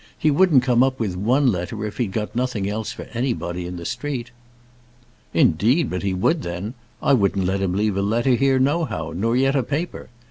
He wouldn't come up with one letter if he'd got nothing else for anybody in the street." "Indeed but he would then. I wouldn't let him leave a letter here no how, nor yet a paper.